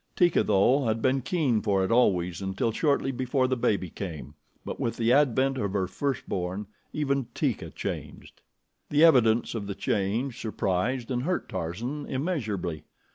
Teeka, though, had been keen for it always until shortly before the baby came; but with the advent of her first born, even Teeka changed. The evidence of the change surprised and hurt Tarzan immeasurably.